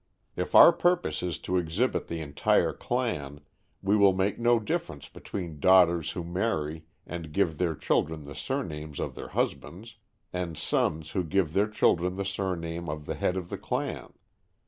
If our purpose is to exhibit the entire clan, we will make no difference between daughters who marry and give their children the surnames of their husbands, and sons who give their children the surname of the head of the clan.